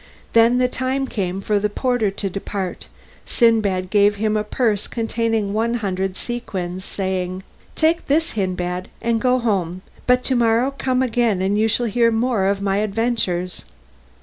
When the time came for the porter to depart, Sindbad gave him a purse containing one hundred sequins, saying, "Take this, Hindbad, and go home, but to morrow come again and you shall hear more of my adventures."